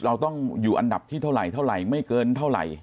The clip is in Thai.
เราต้องอยู่อันดับที่เท่าไหรเท่าไหร่ไม่เกินเท่าไหร่